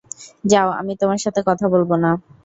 যাও, আমি তোমার সাথে কথা বলবো না।